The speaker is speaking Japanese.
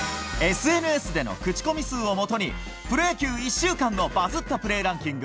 ＳＮＳでの口コミ数をもとにプロ野球１週間のバズったプレーランキング